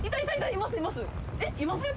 いません？